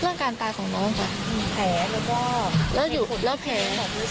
เรื่องการตายของน้องเรื่องการแผลแล้วก็แผล